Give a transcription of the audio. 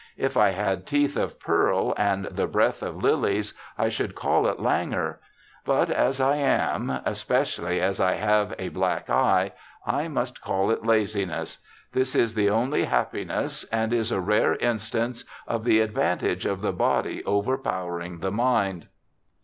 If I had teeth of pearl and the breath of lilies, I should call it languor ; but as I am, especially as I have a black eye, I must call it laziness. ... This is the only happiness and is a rare instance of the advantage of the body overpowering the mind.'